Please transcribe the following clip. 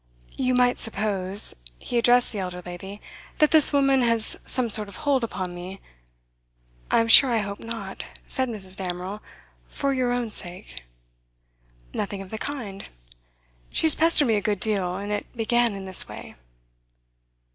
'You might suppose,' he addressed the elder lady, 'that this woman has some sort of hold upon me ' 'I'm sure I hope not,' said Mrs. Damerel, 'for your own sake.' 'Nothing of the kind. She has pestered me a good deal, and it began in this way.